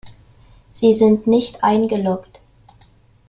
Sie sind nicht eingeloggt.